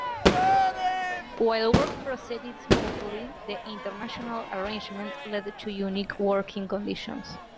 While work proceeded smoothly, the international arrangement led to unique working conditions.